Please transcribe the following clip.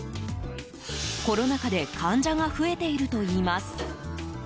コロナ禍で患者が増えているといいます。